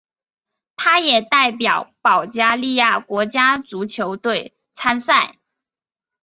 他也代表保加利亚国家足球队参赛。